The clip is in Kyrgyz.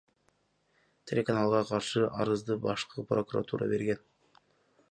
Телеканалга каршы арызды Башкы прокуратура берген.